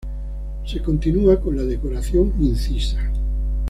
Se continúa con la decoración incisa.